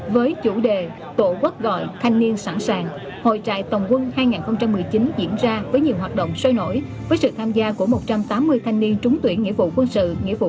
với chủ đề tổ quốc gọi thanh niên sẵn sàng hội trại tổng quân hai nghìn một mươi chín diễn ra với nhiều hoạt động sôi nổi với sự tham gia của một trăm tám mươi thanh niên trúng tuyển nghĩa vụ quân sự nghĩa vụ